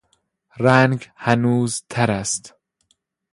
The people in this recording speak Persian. رنگ هنوز تر است.